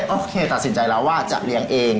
โอเคตัดสินใจแล้วว่าจะเลี้ยงเอง